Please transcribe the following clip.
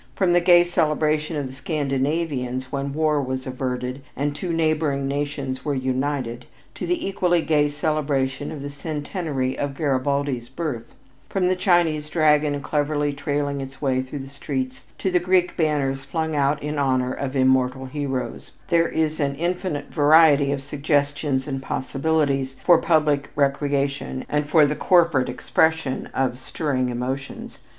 From the gay celebration of the Scandinavians when war was averted and two neighboring nations were united, to the equally gay celebration of the centenary of Garibaldi's birth; from the Chinese dragon cleverly trailing its way through the streets, to the Greek banners flung out in honor of immortal heroes, there is an infinite variety of suggestions and possibilities for public recreation and for the corporate expression of stirring emotions.